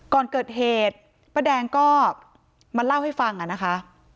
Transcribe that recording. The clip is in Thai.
ก่อนเกิดเหตุป้าแดงก็มาเล่าให้ฟังอะนะคะ